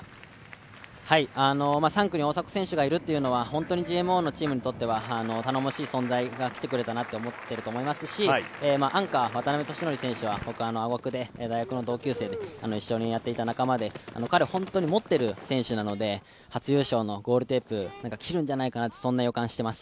３区に大迫選手がいるというのはＧＭＯにとっては頼もしい存在が来てくれたなと思っていると思いますし、アンカー、渡邉利典選手は僕、青学で大学の同級生で一緒にやっていた仲間で、彼は本当にもってる選手なので初優勝のゴールテープを切るんじゃないかなという予感がしています。